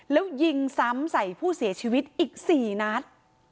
แล้วยิงซ้ำใส่ผู้เสียชีวิตอีก๔นัด